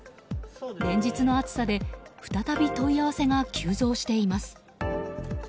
連日の暑さで再び問い合わせが急増しています。